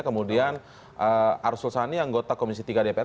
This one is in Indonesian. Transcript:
kemudian arsul sani anggota komisi tiga dpr